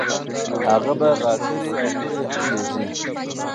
هغه به غاترې او توري هم لیږي.